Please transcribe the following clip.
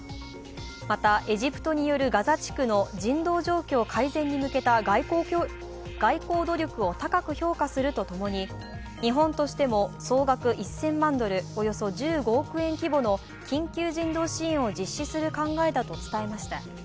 まだ、エジプトによるガザ地区の人道状況改善に向けた外交努力を高く評価するとともに、日本としても総額１０００万ドル＝およそ１５億円規模の緊急人道支援を実施する考えだと伝えました。